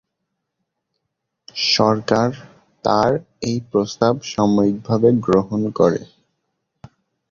সরকার তাঁর এই প্রস্তাব সাময়িকভাবে গ্রহণ করে।